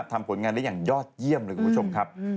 ทำผลงานได้อย่างยอดเยี่ยมเลยคุณผู้ชมครับ